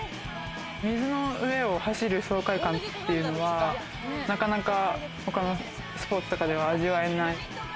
水の上を走る爽快感っていうのはなかなか他のスポーツとかでは味わえない。